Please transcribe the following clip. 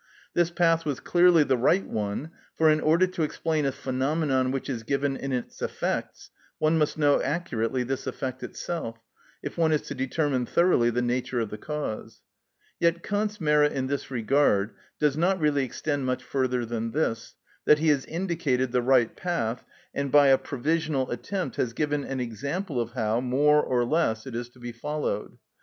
This path was clearly the right one, for in order to explain a phenomenon which is given in its effects, one must know accurately this effect itself, if one is to determine thoroughly the nature of the cause. Yet Kant's merit in this regard does not really extend much further than this, that he has indicated the right path, and by a provisional attempt has given an example of how, more or less, it is to be followed.